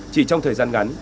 chỉ trong thời gian ngắn